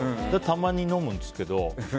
たまに飲むんですけど。